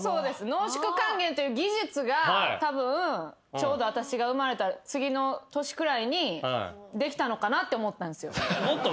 濃縮還元という技術がたぶんちょうど私が生まれた次の年くらいにできたのかなって思ったんですよ。